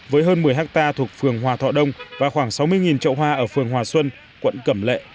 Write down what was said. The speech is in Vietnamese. với hơn một mươi hectare thuộc phường hòa thọ đông và khoảng sáu mươi trậu hoa ở phường hòa xuân quận cẩm lệ